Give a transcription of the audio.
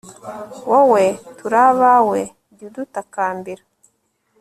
wowe tur'abawe jy'udutakambira